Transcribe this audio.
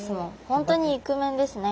本当にイクメンですね。